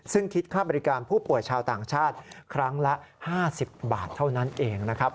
ซึ่งคิดค่าบริการผู้ป่วยชาวต่างชาติครั้งละ๕๐บาทเท่านั้นเองนะครับ